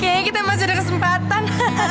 kayaknya kita masih ada kesempatan